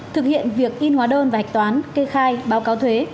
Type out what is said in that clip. thực hiện việc in hóa đơn và hạch toán kê khai báo cáo thuế